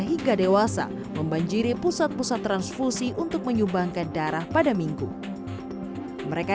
hingga dewasa membanjiri pusat pusat transfusi untuk menyumbangkan darah pada minggu mereka